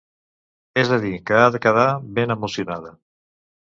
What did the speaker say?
és a dir, que ha de quedar ben emulsionada